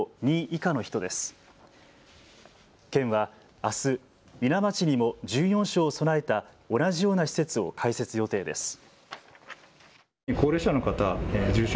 伊奈町にも１４床を備えた同じような施設を開設予定です。